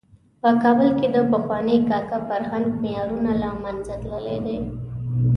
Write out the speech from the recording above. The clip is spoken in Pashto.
په کابل کې د پخواني کاکه فرهنګ معیارونه له منځه تللي.